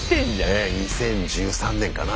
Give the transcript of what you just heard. ええ２０１３年かな？